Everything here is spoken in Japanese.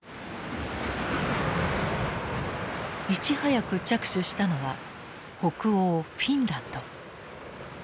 いち早く着手したのは北欧フィンランド。